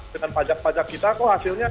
dengan pajak pajak kita kok hasilnya